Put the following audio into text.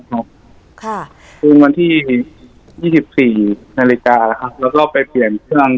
ฮุมนที่๒๔นาฬิกาแล้วก็ไปเปลี่ยนเครื่อง